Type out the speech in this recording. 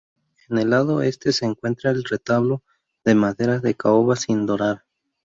En el lado este se encuentra el retablo de madera de caoba sin dorar.